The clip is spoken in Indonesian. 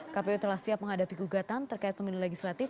kpu telah siap menghadapi gugatan terkait pemilu legislatif